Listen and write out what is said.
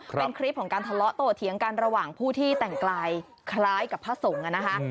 เป็นคลิปของการทะเลาะโตเถียงกันระหว่างผู้ที่แต่งกายคล้ายกับพระสงฆ์นะคะ